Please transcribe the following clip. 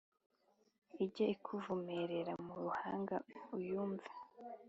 Ijye ikuvumerera mu ruhanga uyumve